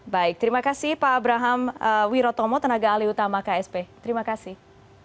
baik terima kasih pak abraham wirotomo tenaga alih utama ksp terima kasih